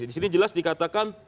di sini jelas dikatakan